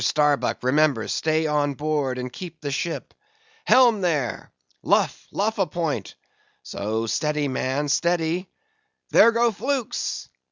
Starbuck, remember, stay on board, and keep the ship. Helm there! Luff, luff a point! So; steady, man, steady! There go flukes!